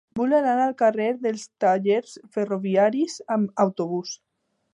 Vull anar al carrer dels Tallers Ferroviaris amb autobús.